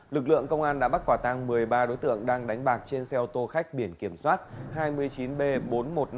lực lượng công an đã bắt quả tang một mươi ba đối tượng đang đánh bạc trên xe ô tô khách biển kiểm soát hai mươi chín b bốn mươi một nghìn năm trăm bảy mươi bảy